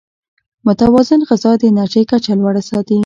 متوازن غذا د انرژۍ کچه لوړه ساتي.